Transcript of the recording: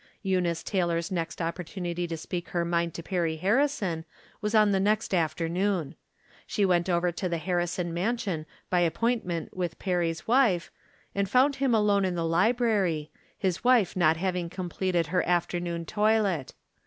Eunice Taylor's next opportunity to speak her mind to Perry Harrison was on the next after noon. She went over to the Harrison mansion by appointment with Perry's wife, and found him alone in the library, his wife not having com pleted her afternoon toilet.